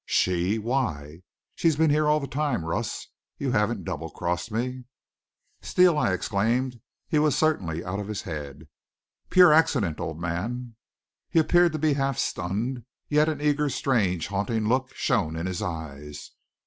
"She Why, she's been here all the time Russ, you haven't double crossed me?" "Steele!" I exclaimed. He was certainly out of his head. "Pure accident, old man." He appeared to be half stunned, yet an eager, strange, haunting look shone in his eyes.